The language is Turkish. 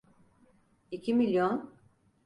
İki milyon…